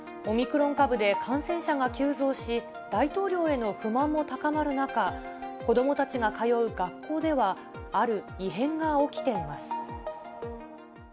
オミクロン株で感染者が急増し、大統領への不満も高まる中、子どもたちが通う学校では、ある異変が起きています。